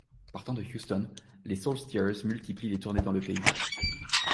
Partant de Houston, les Soul Stirrers multiplient les tournées dans le pays.